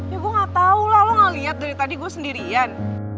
ya gue gak tau lah lo gak liat dari tadi gue sendirian